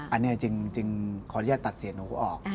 อันนี้จึงขออนุญาตตัดเสียหนูออก